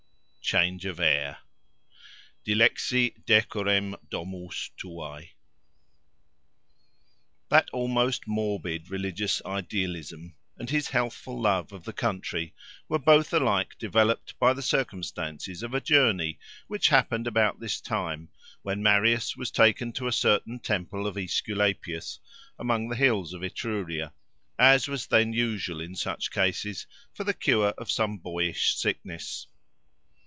CHANGE OF AIR Dilexi decorem domus tuae. That almost morbid religious idealism, and his healthful love of the country, were both alike developed by the circumstances of a journey, which happened about this time, when Marius was taken to a certain temple of Aesculapius, among the hills of Etruria, as was then usual in such cases, for the cure of some boyish sickness.